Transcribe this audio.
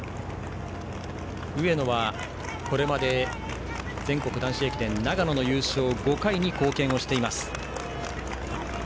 上野はこれまで全国男子駅伝長野の優勝５回に貢献しています。